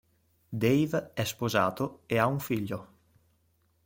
Dave è sposato e ha un figlio.